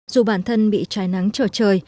dù bản thân bị trái nắng trở trời